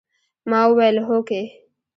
ما وويل هوکې.